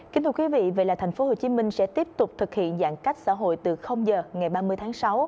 kính thưa quý vị thành phố hồ chí minh sẽ tiếp tục thực hiện giãn cách xã hội từ giờ ngày ba mươi tháng sáu